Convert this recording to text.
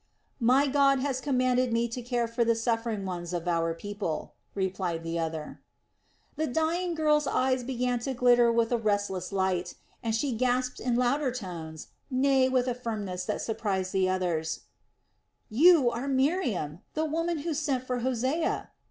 "My God has commanded me to care for the suffering ones of our people," replied the other. The dying girl's eyes began to glitter with a restless light, and she gasped in louder tones, nay with a firmness that surprised the others: "You are Miriam, the woman who sent for Hosea."